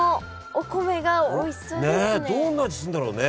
ねえどんな味するんだろうね。